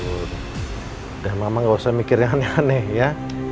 udah mama gak usah mikirnya aneh aneh ya